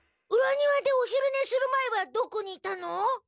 うら庭でお昼ねする前はどこにいたの？